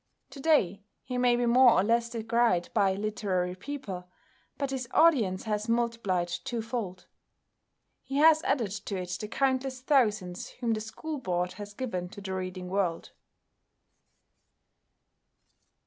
To day he may be more or less decried by "literary" people, but his audience has multiplied twofold. He has added to it the countless thousands whom the School Board has given to the reading world.